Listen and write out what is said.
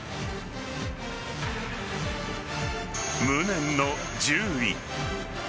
無念の１０位。